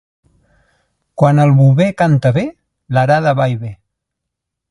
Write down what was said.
Quan el bover canta bé, l'arada va i ve.